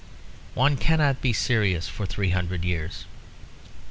One cannot be serious for three hundred years.